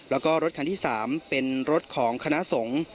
แล้วก็รถคันที่๓เป็นรถของคณะสงฆ์